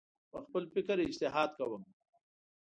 په خپل فکر اجتهاد کوم